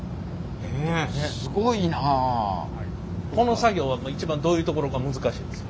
この作業は一番どういうところが難しいんですか？